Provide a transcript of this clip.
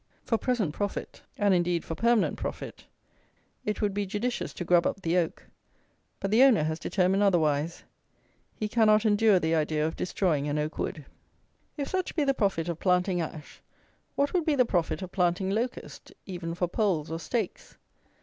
For present profit, and, indeed, for permanent profit, it would be judicious to grub up the oak; but the owner has determined otherwise. He cannot endure the idea of destroying an oak wood. If such be the profit of planting ash, what would be the profit of planting locust, even for poles or stakes?